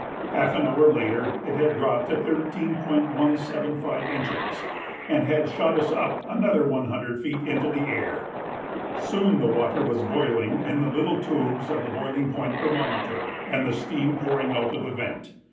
Half an hour later it had dropped to 13.175 inches and had shot us up another one hundred feet into the air. Soon the water was boiling in the little tubes of the boiling point thermometer and the steam pouring out of the vent.